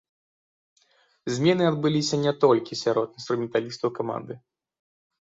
Змены адбыліся не толькі сярод інструменталістаў каманды.